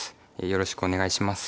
よろしくお願いします。